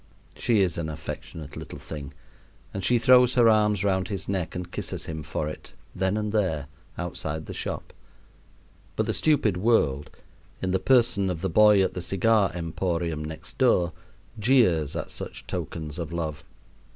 She is an affectionate little thing, and she throws her arms round his neck and kisses him for it, then and there, outside the shop. But the stupid world (in the person of the boy at the cigar emporium next door) jeers at such tokens of love.